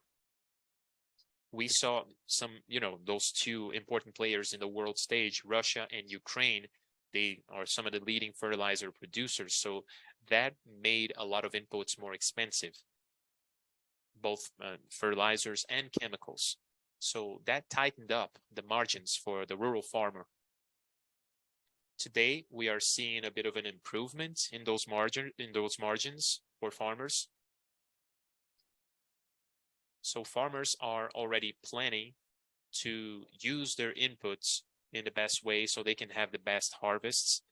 we saw some... You know, those two important players in the world stage, Russia and Ukraine, they are some of the leading fertilizer producers. That made a lot of inputs more expensive, both fertilizers and chemicals. That tightened up the margins for the rural farmer. Today, we are seeing a bit of an improvement in those margins for farmers. Farmers are already planning to use their inputs in the best way so they can have the best harvests.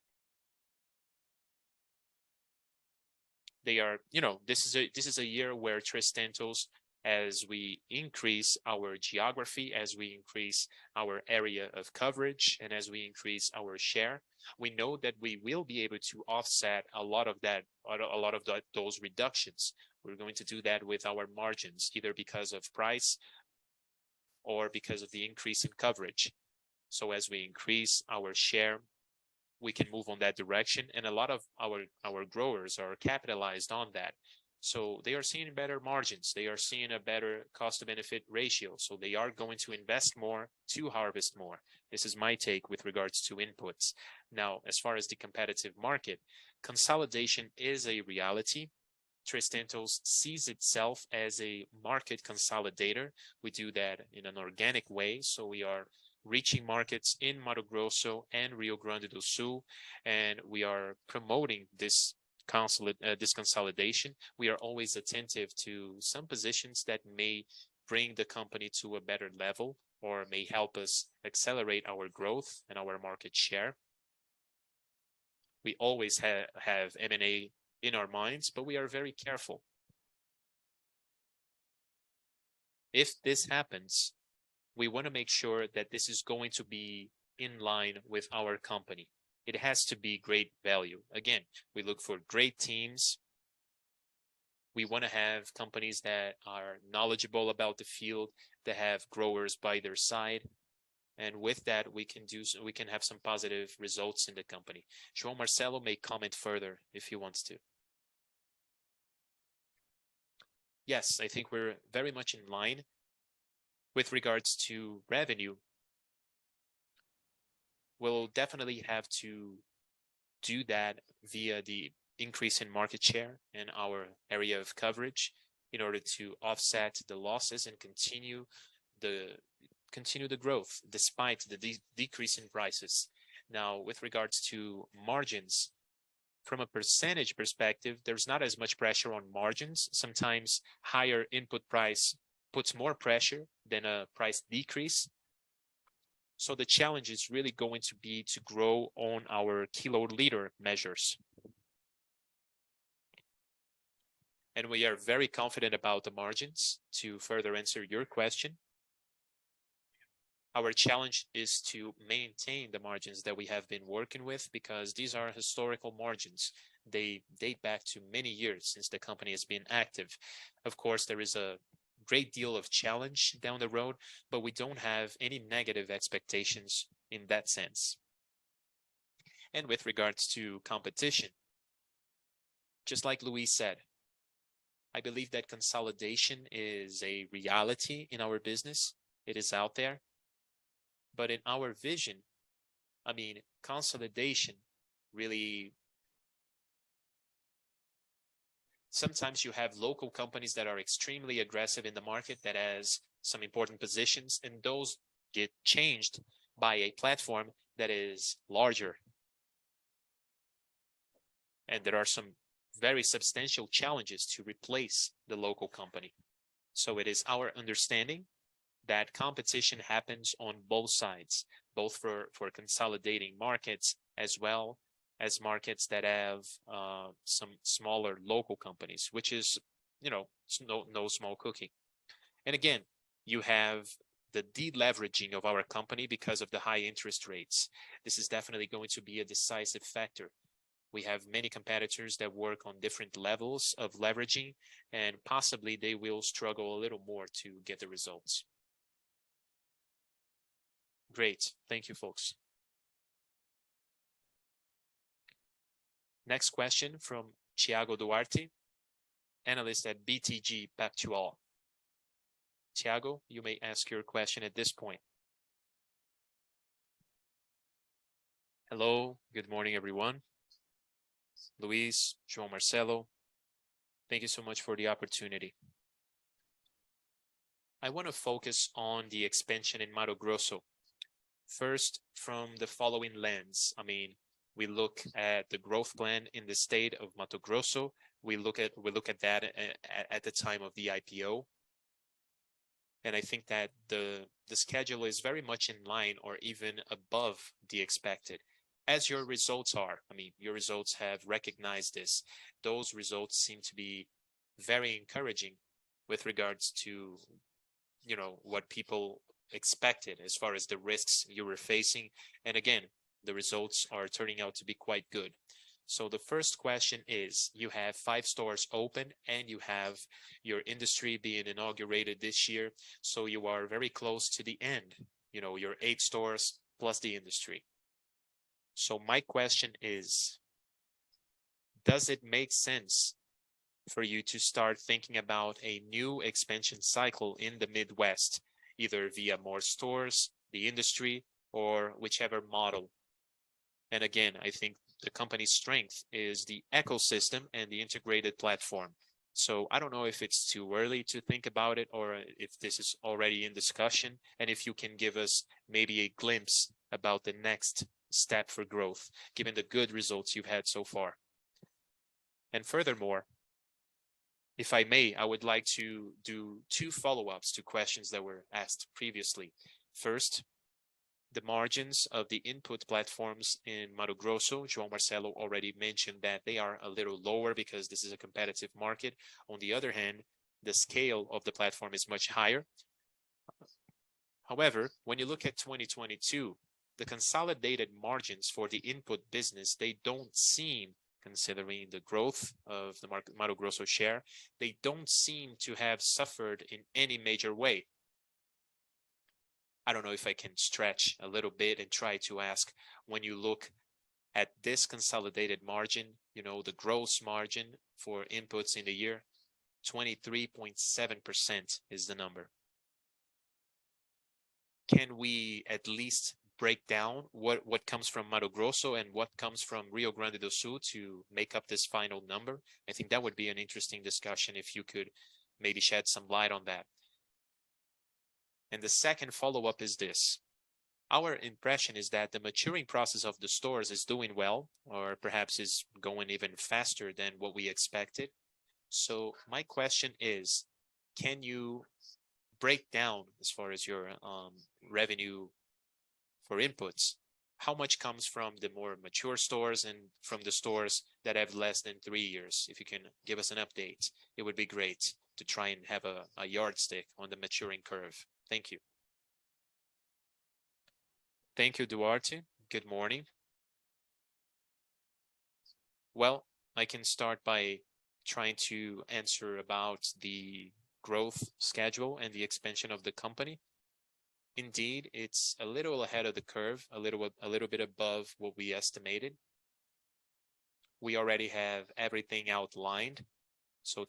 You know, this is a year where Três Tentos, as we increase our geography, as we increase our area of coverage, and as we increase our share, we know that we will be able to offset a lot of those reductions. We're going to do that with our margins, either because of price or because of the increase in coverage. As we increase our share, we can move on that direction. A lot of our growers are capitalized on that. They are seeing better margins, they are seeing a better cost-to-benefit ratio, so they are going to invest more to harvest more. This is my take with regards to inputs. As far as the competitive market, consolidation is a reality. Três Tentos sees itself as a market consolidator. We do that in an organic way, we are reaching markets in Mato Grosso and Rio Grande do Sul, we are promoting this consolidation. We are always attentive to some positions that may bring the company to a better level or may help us accelerate our growth and our market share. We always have M&A in our minds, we are very careful. If this happens, we wanna make sure that this is going to be in line with our company. It has to be great value. We look for great teams. We wanna have companies that are knowledgeable about the field, that have growers by their side. With that, we can have some positive results in the company. João Marcelo may comment further if he wants to. Yes, I think we're very much in line with regards to revenue. We'll definitely have to do that via the increase in market share and our area of coverage in order to offset the losses and continue the growth despite the decrease in prices. Now, with regards to margins, from a percentage perspective, there's not as much pressure on margins. Sometimes higher input price puts more pressure than a price decrease. The challenge is really going to be to grow on our kilo-liter measures. We are very confident about the margins to further answer your question. Our challenge is to maintain the margins that we have been working with because these are historical margins. They date back to many years since the company has been active. Of course, there is a great deal of challenge down the road, but we don't have any negative expectations in that sense. With regards to competition, just like Luiz said, I believe that consolidation is a reality in our business. It is out there. In our vision, I mean, consolidation really. Sometimes you have local companies that are extremely aggressive in the market that has some important positions, and those get changed by a platform that is larger. There are some very substantial challenges to replace the local company. It is our understanding that competition happens on both sides, both for consolidating markets as well as markets that have some smaller local companies, which is, you know, no small cookie. Again, you have the de-leveraging of our company because of the high interest rates. This is definitely going to be a decisive factor. We have many competitors that work on different levels of leveraging. Possibly they will struggle a little more to get the results. Great. Thank you, folks. Next question from Thiago Duarte, analyst at BTG Pactual. Thiago, you may ask your question at this point. Hello. Good morning, everyone. Luiz, João Marcelo, thank you so much for the opportunity. I wanna focus on the expansion in Mato Grosso. First, from the following lens. I mean, we look at the growth plan in the state of Mato Grosso. We look at that at the time of the IPO. I think that the schedule is very much in line or even above the expected as your results are. I mean, your results have recognized this. Those results seem to be very encouraging with regards to, you know, what people expected as far as the risks you were facing. Again, the results are turning out to be quite good. The first question is, you have five stores open, and you have your industry being inaugurated this year, so you are very close to the end, you know, your eight stores plus the industry. My question is, does it make sense for you to start thinking about a new expansion cycle in the Midwest, either via more stores, the industry or whichever model? Again, I think the company's strength is the ecosystem and the integrated platform. I don't know if it's too early to think about it or if this is already in discussion, and if you can give us maybe a glimpse about the next step for growth, given the good results you've had so far. Furthermore, if I may, I would like to do 2 follow-ups to questions that were asked previously. First, the margins of the input platforms in Mato Grosso. João Marcelo already mentioned that they are a little lower because this is a competitive market. On the other hand, the scale of the platform is much higher. However, when you look at 2022, the consolidated margins for the input business, they don't seem, considering the growth of the market, Mato Grosso share, they don't seem to have suffered in any major way. I don't know if I can stretch a little bit and try to ask, when you look at this consolidated margin, you know, the gross margin for inputs in the year, 23.7% is the number. Can we at least break down what comes from Mato Grosso and what comes from Rio Grande do Sul to make up this final number? I think that would be an interesting discussion if you could maybe shed some light on that. The second follow-up is this: Our impression is that the maturing process of the stores is doing well, or perhaps is going even faster than what we expected. My question is, can you break down as far as your revenue for inputs, how much comes from the more mature stores and from the stores that have less than three years? If you can give us an update, it would be great to try and have a yardstick on the maturing curve. Thank you. Thank you, Duarte. Good morning. Well, I can start by trying to answer about the growth schedule and the expansion of the company. Indeed, it's a little ahead of the curve, a little bit above what we estimated. We already have everything outlined.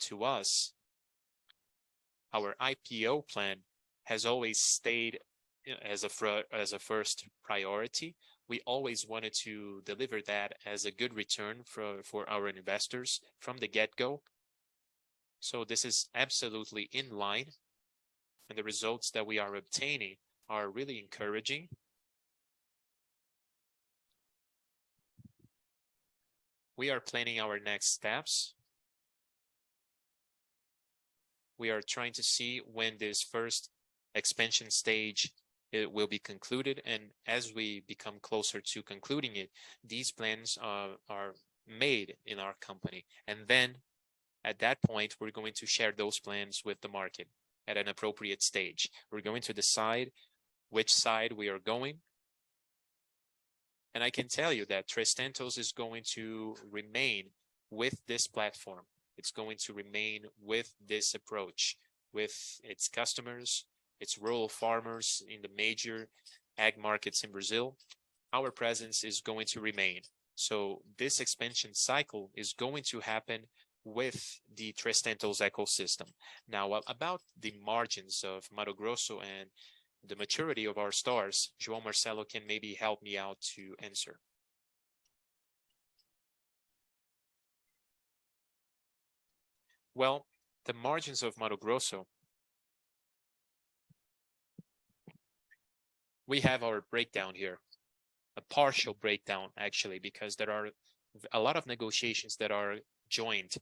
To us, our IPO plan has always stayed, you know, as a first priority. We always wanted to deliver that as a good return for our investors from the get-go. This is absolutely in line, and the results that we are obtaining are really encouraging. We are planning our next steps. We are trying to see when this first expansion stage, it will be concluded. As we become closer to concluding it, these plans are made in our company. At that point, we're going to share those plans with the market at an appropriate stage. We're going to decide which side we are going. I can tell you that Três Tentos is going to remain with this platform. It's going to remain with this approach, with its customers, its rural farmers in the major ag markets in Brazil. Our presence is going to remain. This expansion cycle is going to happen with the Três Tentos ecosystem. About the margins of Mato Grosso and the maturity of our stores, João Marcelo can maybe help me out to answer. The margins of Mato Grosso, we have our breakdown here, a partial breakdown actually, because there are a lot of negotiations that are joined.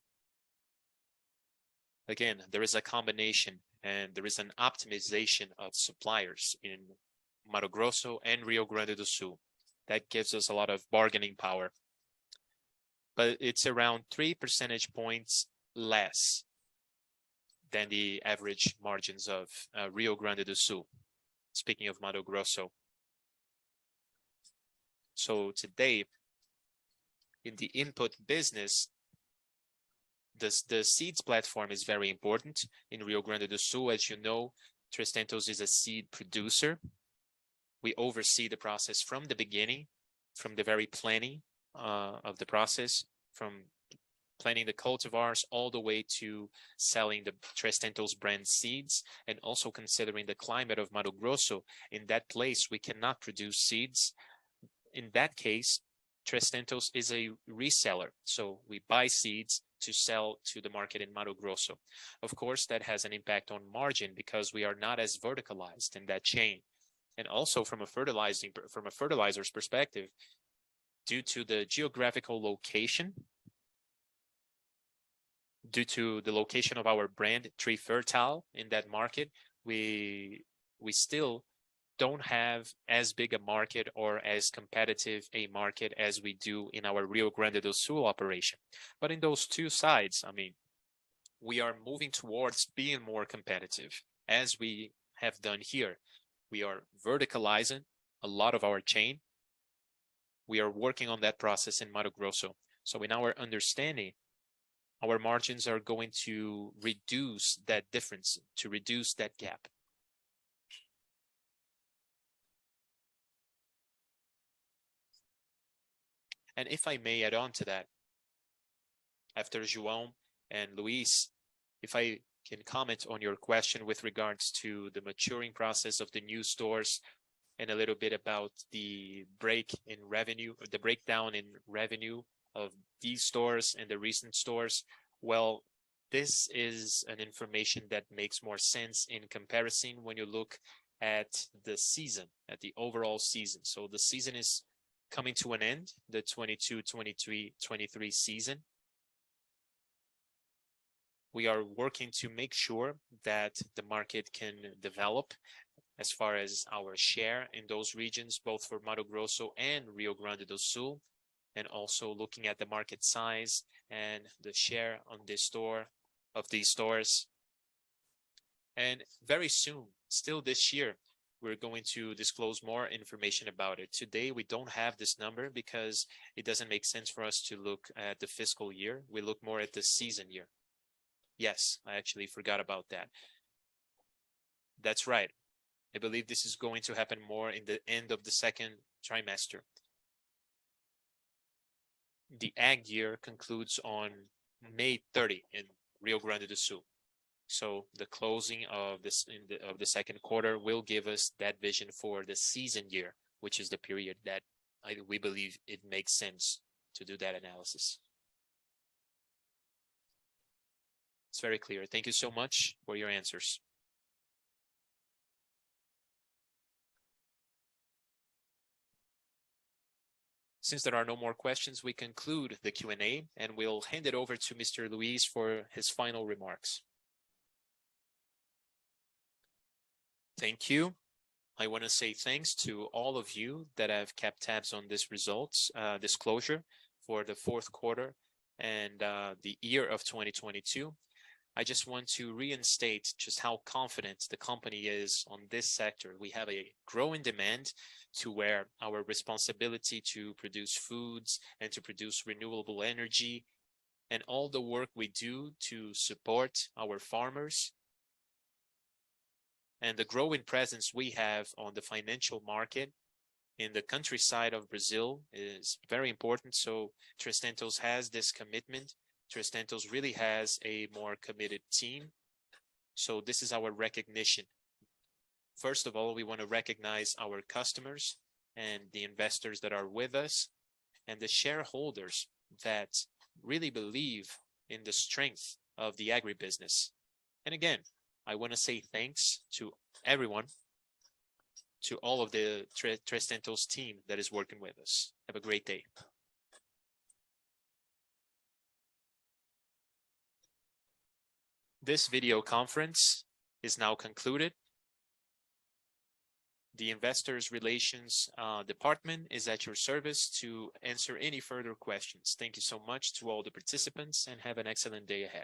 There is a combination, and there is an optimization of suppliers in Mato Grosso and Rio Grande do Sul that gives us a lot of bargaining power. It's around three percentage points less than the average margins of Rio Grande do Sul, speaking of Mato Grosso. Today in the input business, the seeds platform is very important in Rio Grande do Sul. As you know, Três Tentos is a seed producer. We oversee the process from the beginning, from the very planning of the process, from planning the cultivars all the way to selling the Três Tentos brand seeds, and also considering the climate of Mato Grosso. In that place, we cannot produce seeds. In that case, Três Tentos is a reseller, we buy seeds to sell to the market in Mato Grosso. Of course, that has an impact on margin because we are not as verticalized in that chain. Also from a fertilizer's perspective, due to the geographical location, due to the location of our brand, Trifértil, in that market, we still don't have as big a market or as competitive a market as we do in our Rio Grande do Sul operation. In those two sides, I mean, we are moving towards being more competitive, as we have done here. We are verticalizing a lot of our chain. We are working on that process in Mato Grosso. In our understanding, our margins are going to reduce that difference, to reduce that gap. If I may add on to that, after João and Luiz, if I can comment on your question with regards to the maturing process of the new stores and a little bit about the breakdown in revenue of these stores and the recent stores. This is an information that makes more sense in comparison when you look at the season, at the overall season. The season is coming to an end, the 2022-2023 season. We are working to make sure that the market can develop as far as our share in those regions, both for Mato Grosso and Rio Grande do Sul, and also looking at the market size and the share of these stores. Very soon, still this year, we're going to disclose more information about it. Today, we don't have this number because it doesn't make sense for us to look at the fiscal year. We look more at the season year. Yes, I actually forgot about that. That's right. I believe this is going to happen more in the end of the second trimester. The ag year concludes on May 30 in Rio Grande do Sul. The closing of the second quarter will give us that vision for the season year, which is the period that we believe it makes sense to do that analysis. It's very clear. Thank you so much for your answers. There are no more questions, we conclude the Q&A, and we'll hand it over to Mr. Luiz for his final remarks. Thank you. I wanna say thanks to all of you that have kept tabs on this results disclosure for the fourth quarter and the year of 2022. I just want to reinstate just how confident the company is on this sector. We have a growing demand to where our responsibility to produce foods and to produce renewable energy and all the work we do to support our farmers and the growing presence we have on the financial market in the countryside of Brazil is very important, so Três Tentos has this commitment. Três Tentos really has a more committed team, so this is our recognition. First of all, we wanna recognize our customers and the investors that are with us and the shareholders that really believe in the strength of the agribusiness. Again, I wanna say thanks to everyone, to all of the Três Tentos team that is working with us. Have a great day. This video conference is now concluded. The Investor Relations department is at your service to answer any further questions. Thank you so much to all the participants. Have an excellent day ahead.